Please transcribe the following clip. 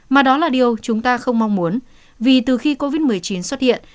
mà đó là điều chúng ta không mong muốn vì từ khi covid một mươi chín xuất hiện